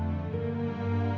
pengorbanan yang sangat penting